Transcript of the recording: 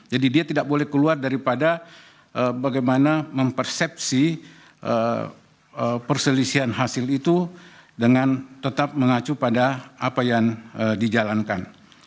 jadi dia tidak boleh keluar daripada bagaimana mempersepsi perselisihan hasil itu dengan tetap mengacu pada apa yang dijalankan